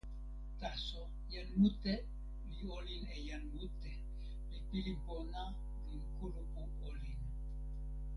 taso jan mute li olin e jan mute, li pilin pona lon kulupu olin.